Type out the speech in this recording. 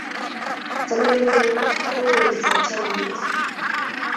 Chamyengung ko u koristap chamyet